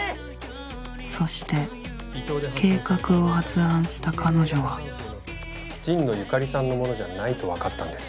そして計画を発案した彼女は神野由香里さんのものじゃないと分かったんです。